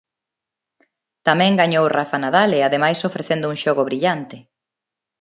Tamén gañou Rafa Nadal, e ademais ofrecendo un xogo brillante.